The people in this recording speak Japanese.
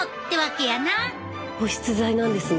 保湿剤なんですね。